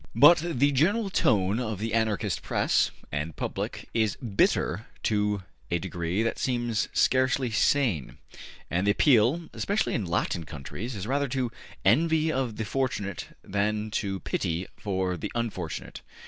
But the general tone of the Anarchist press and public is bitter to a degree that seems scarcely sane, and the appeal, especially in Latin countries, is rather to envy of the fortunate than to pity for the unfortunate.